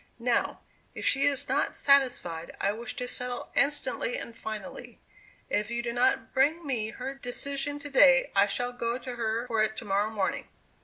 Now, if she is not satisfied, I wish to settle instantly and finally. If you do not bring me her decision to day, I shall go to her for it to morrow morning."